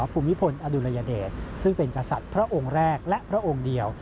ภูมิพลอดุลยเดชซึ่งเป็นกษัตริย์พระองค์แรกและพระองค์เดียว